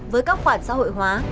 với các khoản xã hội hóa